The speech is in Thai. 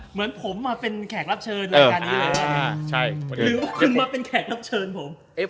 เหมือนผมมาเป็นแขกรับเชิญรายการนี้หรือว่าคุณมาเป็นแขกรับเชิญผม